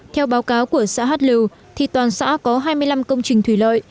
theo báo cáo của xã hát lưu thì toàn xã có hai mươi năm công trình thủy lợi